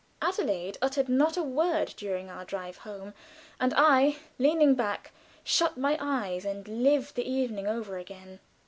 Adelaide uttered not a word during our drive home, and I, leaning back, shut my eyes and lived the evening over again.